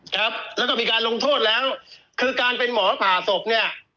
ครับแล้วก็มีการลงโทษแล้วคือการเป็นหมอผ่าศพเนี่ย